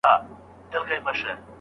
ښايی چي لس تنه اورېدونکي به